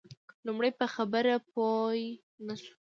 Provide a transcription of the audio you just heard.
لومړی په خبره پوی نه شو.